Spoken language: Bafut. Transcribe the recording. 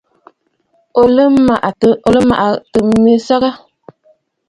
O lɔ̀ɔ̀ mɨŋgɔ̀ɔ̀ mi nsəgə?